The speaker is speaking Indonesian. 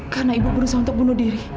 karena ibu berusaha untuk bunuh diri